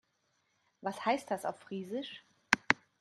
Was heißt das auf Friesisch?